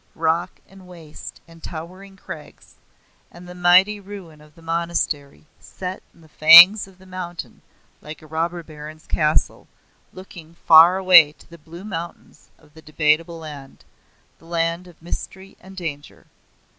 Rock and waste and towering crags, and the mighty ruin of the monastery set in the fangs of the mountain like a robber baron's castle, looking far away to the blue mountains of the Debatable Land the land of mystery and danger.